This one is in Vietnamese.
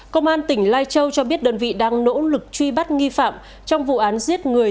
công an tỉnh lai châu cho biết đơn vị đang nỗ lực truy bắt nghi phạm trong vụ án giết người